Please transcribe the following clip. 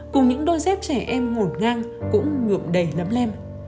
cùng những đôi dép trẻ em ngổn ngang cũng ngượm đầy lấm lem